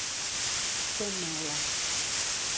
Ser un meula.